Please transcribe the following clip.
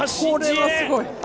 これはすごい。